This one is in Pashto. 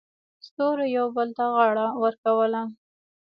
ستورو یو بل ته غاړه ورکوله.